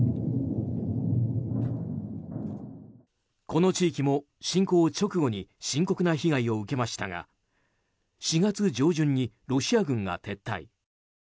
この地域も侵攻直後に深刻な被害を受けましたが４月上旬にロシア軍が撤退。